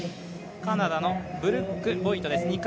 カナダのブルック・ボイトです